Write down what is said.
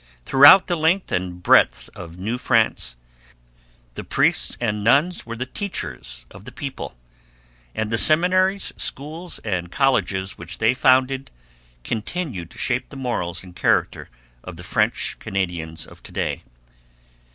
Throughout the length and breadth of New France the priests and nuns were the teachers of the people. And the seminaries, schools, and colleges which they founded continue to shape the morals and character of the French Canadians of to day.